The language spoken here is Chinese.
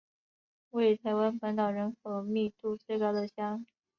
为台湾本岛人口密度最高的乡。